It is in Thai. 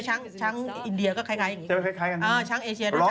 จ้างอินเดียก็ก็คล้ายคล้ายอย่างงี้